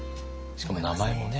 しかも名前もね。